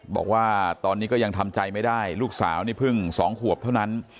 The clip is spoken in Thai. บอกว่าตอนนี้ก็ยังทำใจไม่ได้ลูกสาวนี่เพิ่ง๒ขวบเท่านั้น